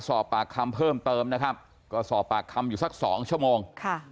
สอบปากคำเพิ่มเติมนะครับก็สอบปากคำอยู่สักสองชั่วโมงค่ะ